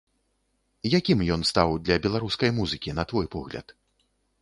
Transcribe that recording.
Якім ён стаў для беларускай музыкі, на твой погляд?